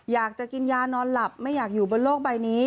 อยากจะกินยานอนหลับไม่อยากอยู่บนโลกใบนี้